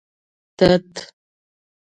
تت